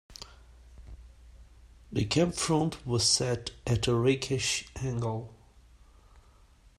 The cab front was set at a rakish angle.